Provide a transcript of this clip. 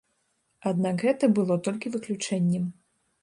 Аднак гэта было толькі выключэннем.